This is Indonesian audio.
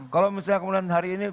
kalau misalnya kemudian hari ini